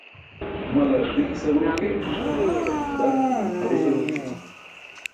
Malar dilk saruu ke, darculum pʰalo saruućuma.